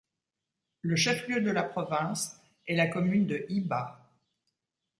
Le chef-lieu de la province est la commune de Iba.